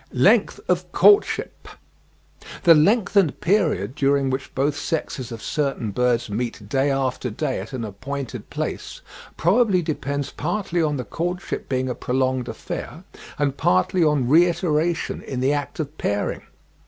LENGTH OF COURTSHIP. The lengthened period during which both sexes of certain birds meet day after day at an appointed place probably depends partly on the courtship being a prolonged affair, and partly on reiteration in the act of pairing.